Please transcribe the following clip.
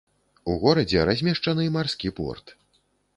У горадзе размешчаны марскі порт.